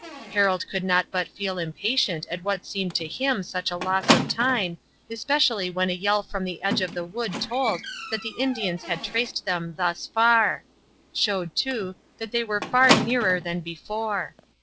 Harold could not but feel impatient at what seemed to him such a loss of time, especially when a yell from the edge of the wood told that the Indians had traced them thus far showed, too, that they were far nearer than before.